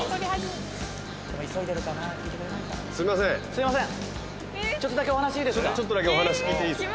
すいません。